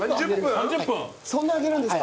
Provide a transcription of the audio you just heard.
そんな揚げるんですか？